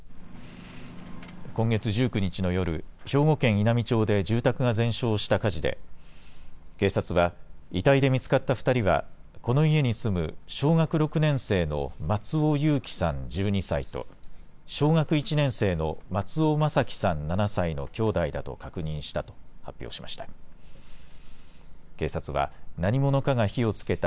今月１９日の夜、兵庫県稲美町で住宅が全焼した火事で、警察は、遺体で見つかった２人は、この家に住む小学６年生の松尾侑城さん１２歳と、小学１年生の松尾眞輝さん７歳の兄弟だと確認したと発表しました。